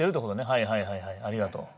はいはいはいはいありがとう。